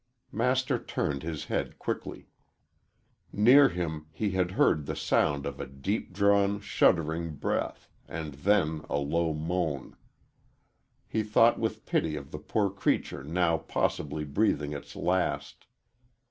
Master turned his head quickly. Near him he had heard the sound of a deep drawn, shuddering breath, and then a low moan. He thought with pity of the poor creature now possibly breathing its last.